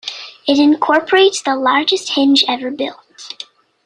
It incorporates the largest hinge ever built.